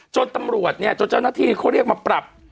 จนตำรวจเนี่ยจนเจ้าหน้าที่เขาเรียกมาปรับ